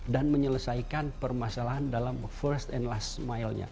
dan menyelesaikan permasalahan dalam first and last milenya